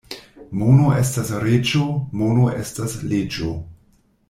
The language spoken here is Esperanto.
Mono estas reĝo, mono estas leĝo.